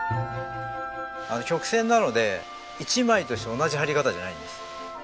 曲線なので一枚として同じ貼り方じゃないんです。